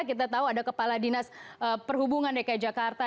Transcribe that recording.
kita tahu ada kepala dinas perhubungan dki jakarta